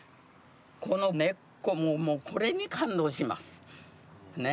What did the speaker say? この根っこもこれに感動します。ね。